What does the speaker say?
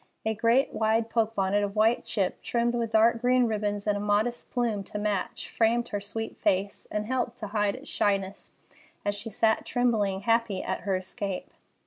A great, wide poke bonnet of white chip, trimmed with dark green ribbons and a modest plume to match, framed her sweet face, and helped to hide its shyness as she sat tremblingly happy at her escape.